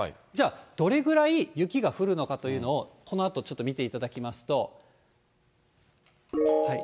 じゃあ、どれぐらい雪が降るのかというのを、このあとちょっと見ていただきますと。